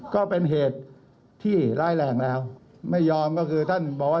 ก็เป็นเหตุที่ร้ายแรงแล้วไม่ยอมก็คือท่านบอกว่า